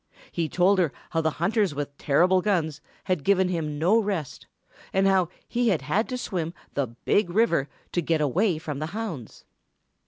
He told her how the hunters with terrible guns had given him no rest and how he had had to swim the Big River to get away from the hounds.